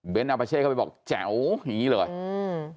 เป็นอาปาเช่เข้าไปบอกแจ๋วอย่างงี้เลยอืม